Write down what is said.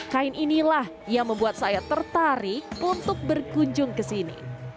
kain inilah yang membuat saya tertarik untuk berkunjung kesini